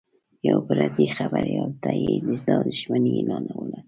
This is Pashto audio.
یوه پردي خبریال ته یې دا دښمني اعلانوله